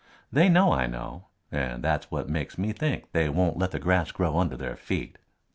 They know I know, and that's what makes me think they won't let the grass grow under their feet."